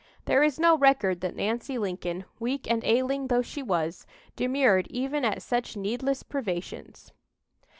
There is no record that Nancy Lincoln, weak and ailing though she was, demurred even at such needless privations.